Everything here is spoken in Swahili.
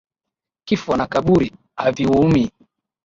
Kifo na kaburi haviumi